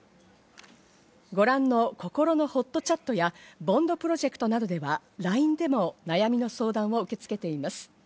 ご覧の、こころのほっとチャットや、ＢＯＮＤプロジェクトではＬＩＮＥでも悩みの相談を受け付けています。